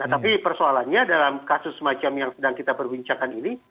tapi persoalannya dalam kasus semacam yang sedang kita perbincangkan ini